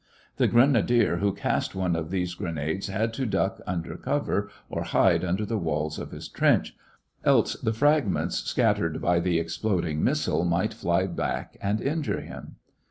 The grenadier who cast one of these grenades had to duck under cover or hide under the walls of his trench, else the fragments scattered by the exploding missile might fly back and injure him.